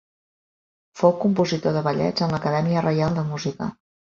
Fou compositor de ballets en l'Acadèmia Reial de Música.